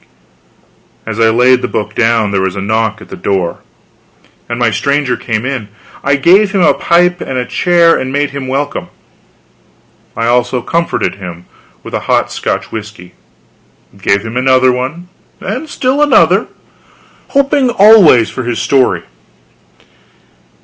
As I laid the book down there was a knock at the door, and my stranger came in. I gave him a pipe and a chair, and made him welcome. I also comforted him with a hot Scotch whisky; gave him another one; then still another hoping always for his story.